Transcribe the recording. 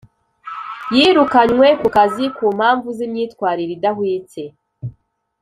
yirukanywe ku kazi ku mpamvu zimyitwarire idahwitse